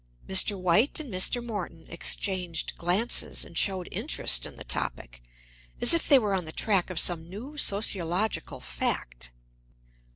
Mr. White and Mr. Morton exchanged glances, and showed interest in the topic, as if they were on the track of some new sociological fact.